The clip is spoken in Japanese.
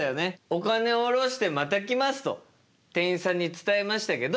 「お金をおろしてまた来ます」と店員さんに伝えましたけど。